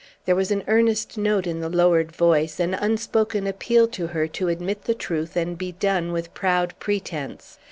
There was an earnest note in the lowered voice, an unspoken appeal to her to admit the truth and be done with proud pretence.